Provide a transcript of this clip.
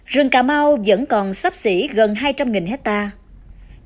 rừng cà mau vẫn còn sắp xỉ gần hai trăm linh hectare